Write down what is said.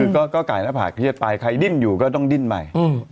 ก็กายหน้าผากเครียดต่อไปใครดิ้นอยู่ก็ต้องดิ้นไป